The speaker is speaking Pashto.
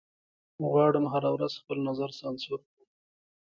غواړم هره ورځ خپل نظر سانسور کړم